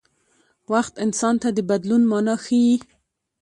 وخت انسان ته د بدلون مانا ښيي.